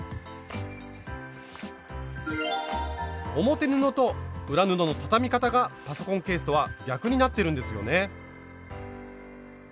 表布と裏布の畳み方がパソコンケースとは逆になってるんですよね。